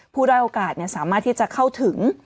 ได้โอกาสสามารถที่จะเข้าถึง